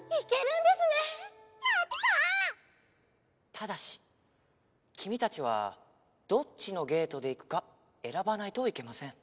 ただしきみたちはどっちのゲートでいくかえらばないといけません。